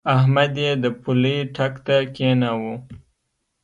احمد يې د پولۍ ټک ته کېناوو.